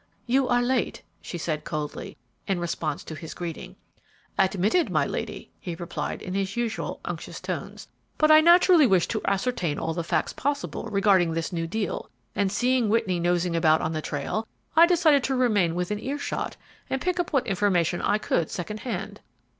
"You are late," she said, coldly, in response to his greeting. "Admitted, my lady," he replied, in his usual unctuous tones, "but I naturally wished to ascertain all the facts possible regarding this new deal, and, seeing Whitney nosing about on the trail, I decided to remain within ear shot and pick up what information I could second hand."